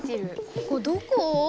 ここどこ？